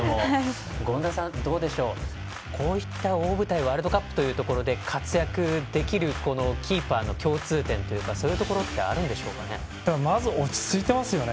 権田さん、どうでしょうこういった大舞台ワールドカップで活躍できるキーパーの共通点というかそういったところはまず、落ち着いてますよね。